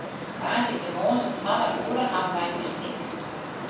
Woansdeitemoarns it twadde oere hawwe wy technyk.